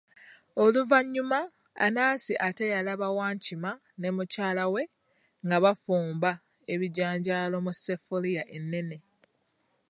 Oluvannyuma Anansi ate yalaba Wankima ne mukyala we nga bafumba ebijanjaalo mu sseffuliya ennene.